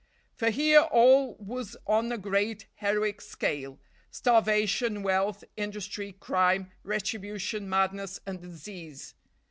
For here all was on a great heroic scale, starvation, wealth, industry, crime, retribution, madness and disease.